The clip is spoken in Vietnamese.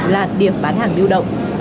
là điểm bán hàng lưu động